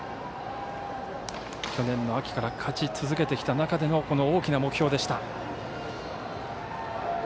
去年の秋から勝ち続けてきた中での大きな目標でした。